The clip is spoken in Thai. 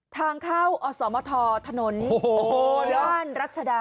ทางเข้าอสมทถนนย่านรัชดา